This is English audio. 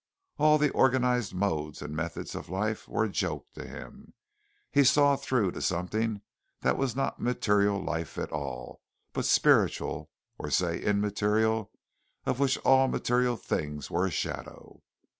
All the organized modes and methods of life were a joke to him. He saw through to something that was not material life at all, but spiritual, or say immaterial, of which all material things were a shadow.